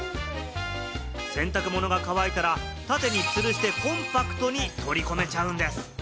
洗濯物が乾いたら縦に吊るして、コンパクトに取り込めちゃうんです。